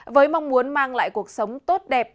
với mong muốn mang lại cuộc sống tốt đẹp